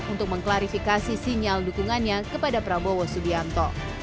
untuk mengklarifikasi sinyal dukungannya kepada prabowo subianto